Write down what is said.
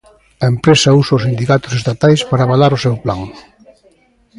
A empresa usa os sindicatos estatais para avalar o seu plan.